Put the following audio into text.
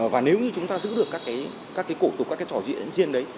và nếu như chúng ta giữ được các cổ tục các trò diễn riêng đấy